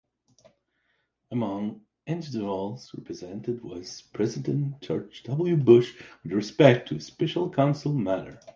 Among individuals represented was President George W. Bush with respect to a special-counsel matter.